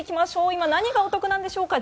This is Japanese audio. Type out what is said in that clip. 今、何がお得なんでしょうか。